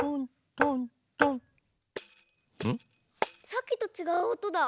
さっきとちがうおとだ。